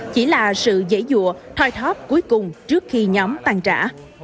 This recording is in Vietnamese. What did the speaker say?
chỉ là sự dễ dụa thoi thóp cuối cùng trước khi nhóm tàn trả